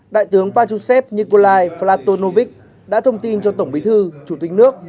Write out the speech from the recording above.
đại tướng bà chú sép nikolai platonovic đã thông tin cho tổng bí thư chủ tịch nước